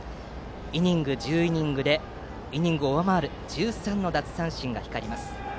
１０イニングでイニングを上回る１３の奪三振が光ります。